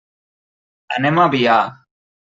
Anem a Biar.